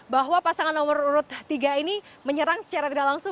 bahwa pasangan nomor urut tiga ini menyerang secara tidak langsung